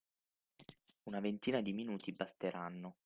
Una ventina di minuti basteranno.